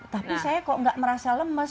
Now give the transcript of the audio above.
tapi saya kok nggak merasa lemes